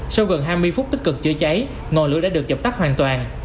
sau gần hai mươi phút tích cực chữa cháy ngọn lửa đã được dập tắt hoàn toàn